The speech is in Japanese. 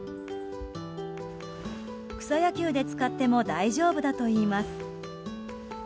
草野球で使っても大丈夫だといいます。